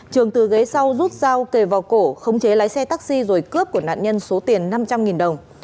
trường từ ghế sau rút dao kề vào cổ khống chế lái xe taxi rồi cướp của nạn nhân số tiền năm trăm linh đồng